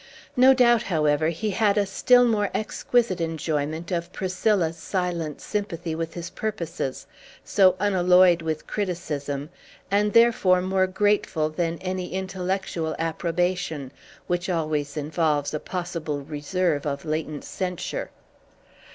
No doubt, however, he had a still more exquisite enjoyment of Priscilla's silent sympathy with his purposes, so unalloyed with criticism, and therefore more grateful than any intellectual approbation, which always involves a possible reserve of latent censure.